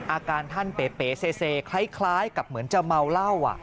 อาการท่านเป๋เซคล้ายกับเหมือนจะเมาเหล้า